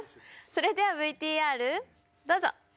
それではＶＴＲどうぞＹＯ！